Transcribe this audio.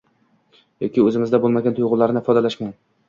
yoki o’zimizda bo’lmagan tuyg’ularni ifodalashmi?